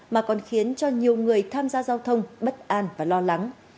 mà còn khiến cho nhiều người tham gia giao thông bất an và lo lắng